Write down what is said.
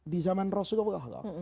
di zaman rasulullah